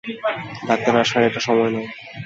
Doctor আসার এটা সময় নয়।